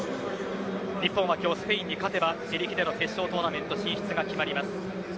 日本は今日スペインに勝てば自力での決勝トーナメント進出が決まります。